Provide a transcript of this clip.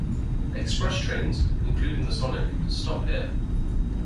Express trains, including the Sonic, stop here.